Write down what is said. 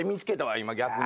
今逆に。